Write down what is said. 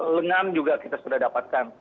lengan juga kita sudah dapatkan